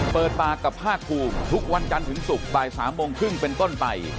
เปิดปากกับภาคภูมิทุกวันจันทร์ถึงศุกร์บ่าย๓โมงครึ่งเป็นต้นไป